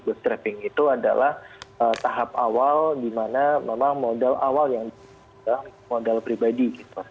boostrapping itu adalah tahap awal di mana memang modal awal yang diberikan modal pribadi